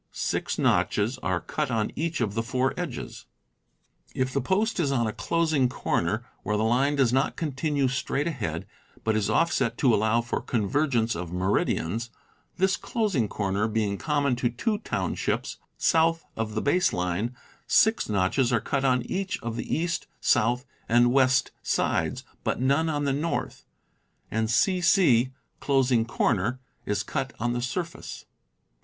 Six notches are cut on each of the four edges. If the post is on a closing corner, where the line does not continue straight ahead, but is offset to allow for convergence of meridians, this closing corner being common to two townships south of the base line, six notches are cut on each of the east, south, and west sides, but none on the north, and C. C. ("closing cor ner") is cut on the surface.